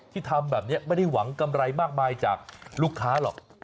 ทำแบบนี้ไม่ได้หวังกำไรมากมายจากลูกค้าหรอก